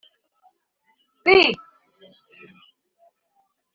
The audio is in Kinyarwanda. Lee